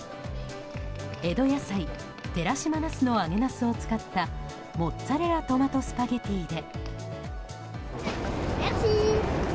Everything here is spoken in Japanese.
江戸野菜寺島ナスの揚げナスを使ったモッツァレラトマトスパゲティで。